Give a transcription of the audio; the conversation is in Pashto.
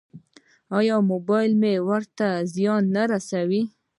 ایا موبایل ورته زیان نه رسوي؟